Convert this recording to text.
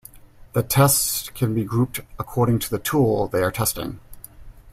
The tests can be grouped according to the "tool" they are testing.